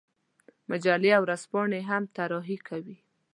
مجلې او ورځپاڼې هم طراحي کوي.